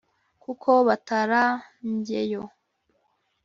kuko batarambyeyo